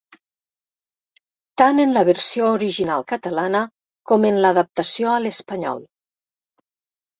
Tant en la versió original catalana com en l'adaptació a l'espanyol.